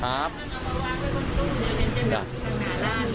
เพราะว่ามันเป็นอย่าขอนับให้ก่อนนะครับแล้วมันก็มาวางไว้บนตู้